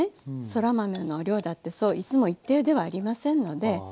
そら豆の量だってそういつも一定ではありませんので。